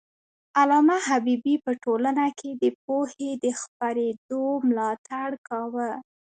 علامه حبيبي په ټولنه کي د پوهې د خپرېدو ملاتړ کاوه.